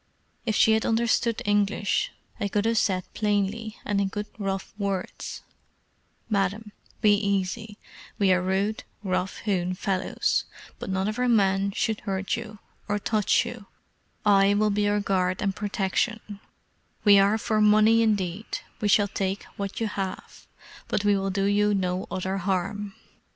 If she had understood English, I could have said plainly, and in good rough words, "Madam, be easy; we are rude, rough hewn fellows, but none of our men should hurt you, or touch you; I will be your guard and protection; we are for money indeed, and we shall take what you have, but we will do you no other harm."